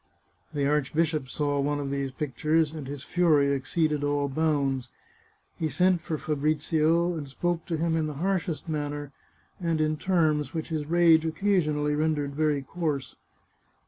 The archbishop saw one of these pictures, and his fury exceeded all bounds. He sent for Fabrizio, and spoke to him in the harshest manner, and in terms which his rage occasionally rendered very coarse.